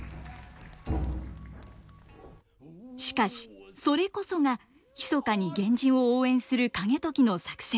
しかしそれこそが密かに源氏を応援する景時の作戦。